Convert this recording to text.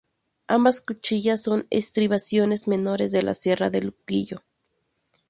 Ambas cuchillas son estribaciones menores de la Sierra de Luquillo.